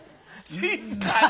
静かに。